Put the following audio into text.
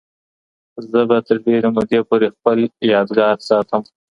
زه به تر ډیرې مودې پورې خپل یادګار ساتم.